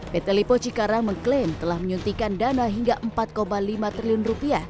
pt lipo cikarang mengklaim telah menyuntikan dana hingga rp empat lima triliun